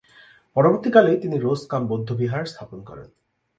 পরবর্তীকালে তিনি রো-স্কাম বৌদ্ধবিহার স্থাপন করেন।